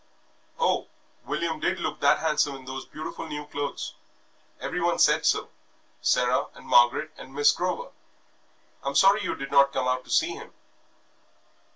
"Oh, William did look that handsome in those beautiful new clothes! ...Everyone said so Sarah and Margaret and Miss Grover. I'm sorry you did not come out to see him."